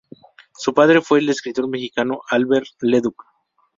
Su padre fue el escritor mexicano Alberto Leduc.